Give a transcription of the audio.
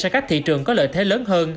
sang các thị trường có lợi thế lớn hơn